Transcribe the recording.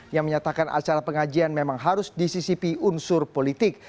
yang menyatakan acara pengajian memang harus disisipi unsur politik